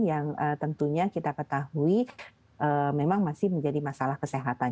yang tentunya kita ketahui memang masih menjadi masalah kesehatan